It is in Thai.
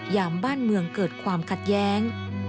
ยามบ้านเมืองเกิดความขัดแย้ง